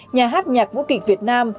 nhà hát nhạc vũ kịch việt nam